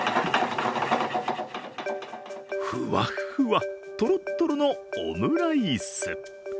ふわっふわ、とろっとろのオムライス。